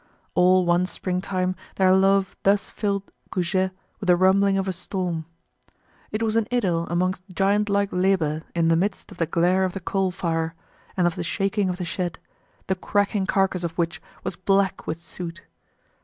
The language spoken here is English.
All one spring time their love thus filled Goujet with the rumbling of a storm. It was an idyll amongst giant like labor in the midst of the glare of the coal fire, and of the shaking of the shed, the cracking carcass of which was black with soot.